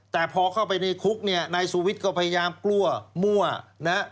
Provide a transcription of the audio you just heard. แต่พอเข้าไปในคุกเนี่ยนายสุวิทย์ก็พยายามกลัวมั่วนะฮะ